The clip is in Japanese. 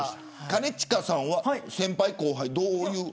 兼近さんは先輩、後輩どういう。